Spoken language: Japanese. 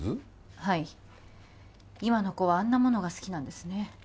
はい今の子はあんなものが好きなんですね